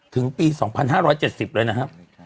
ถึงปี๒๕๗๐เลยนะครับ